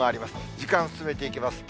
時間進めていきます。